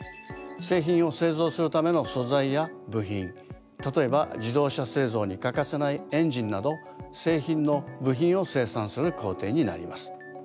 製品を製造するための素材や部品例えば自動車製造に欠かせないエンジンなど製品の部品を生産する工程になります。